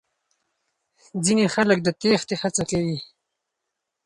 ځينې خلک د تېښتې هڅه کوي.